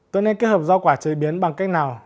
tôi nên kết hợp rau quả chế biến bằng cách nào